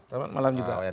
selamat malam juga